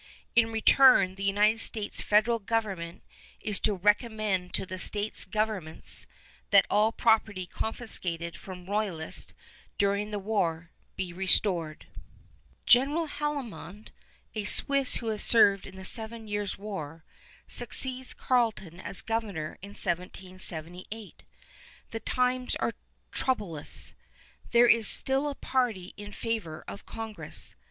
In return the United States federal government is to recommend to the States Governments that all property confiscated from Royalists during the war be restored. [Illustration: GENERAL HALDIMAND] General Haldimand, a Swiss who has served in the Seven Years' War, succeeds Carleton as governor in 1778. The times are troublous. There is still a party in favor of Congress.